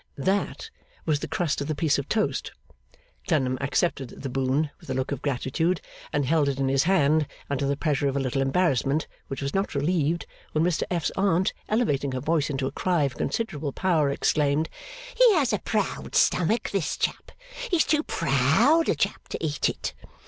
'That' was the crust of the piece of toast. Clennam accepted the boon with a look of gratitude, and held it in his hand under the pressure of a little embarrassment, which was not relieved when Mr F.'s Aunt, elevating her voice into a cry of considerable power, exclaimed, 'He has a proud stomach, this chap! He's too proud a chap to eat it!